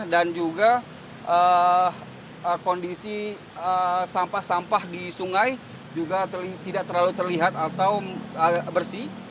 dan juga kondisi sampah sampah di sungai juga tidak terlalu terlihat atau bersih